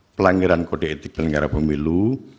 pelanggaran kode etik penyelenggara pemilu